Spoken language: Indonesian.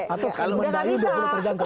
atau kalau mendayung sudah perlu terganggu